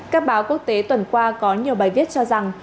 các báo quốc tế tuần qua có nhiều bài viết cho rằng